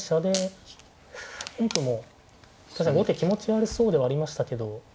確かに後手気持ち悪そうではありましたけど。